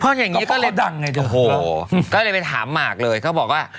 เพราะอย่างนี้ก็เลยโอ้โหก็เลยไปถามมากเลยเขาบอกว่า